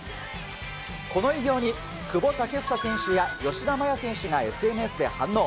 この偉業に、久保建英選手や吉田麻也選手がＳＮＳで反応。